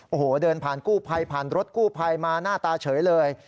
โอ้โหเดินผ่านกู้ภัยผ่านรถกู้ภัยมาหน้าตาเฉยเลย